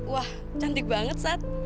wah cantik banget sat